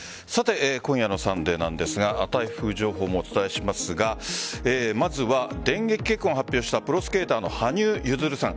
今夜のＭｒ．サンデー台風情報もお伝えしますがまずは電撃結婚を発表したプロスケーターの羽生結弦さん。